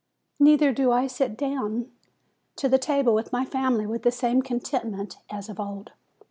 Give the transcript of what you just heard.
Neither do I sit down to the table with my family with the same content ment as of old.